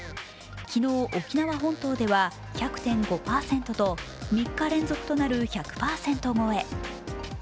昨日、沖縄本島では１００．５％と３日連続となる１００％超え。